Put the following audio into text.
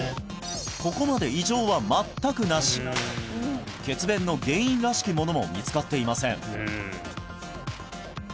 ここまで異常は全くなし血便の原因らしきものも見つかっていません